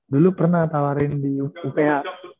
dulu pernah tawarin di upa